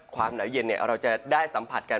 ความหนาวเย็นเราจะได้สัมผัสกัน